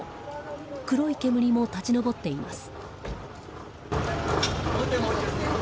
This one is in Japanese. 黒い煙も立ち上っています。